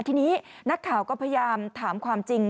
ทีนี้นักข่าวก็พยายามถามความจริง